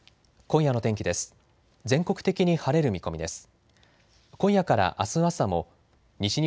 今夜の天気です。